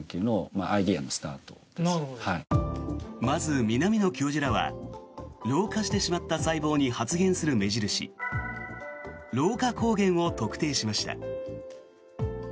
まず、南野教授らは老化してしまった細胞に発現する目印、老化抗原を特定しました。